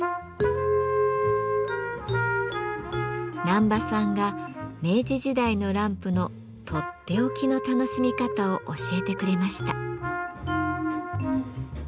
難波さんが明治時代のランプのとっておきの楽しみ方を教えてくれました。